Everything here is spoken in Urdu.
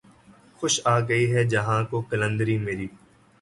خوش آ گئی ہے جہاں کو قلندری میری